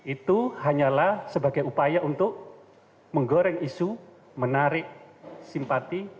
itu hanyalah sebagai upaya untuk menggoreng isu menarik simpati